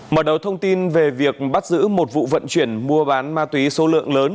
mở đầu thông tin về việc bắt giữ một vụ vận chuyển mua bán ma túy số lượng lớn